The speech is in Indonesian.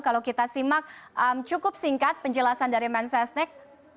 kalau kita simak cukup singkat penjelasan dari man sesnek